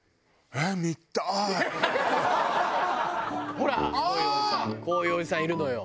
ほらこういうおじさんいるのよ。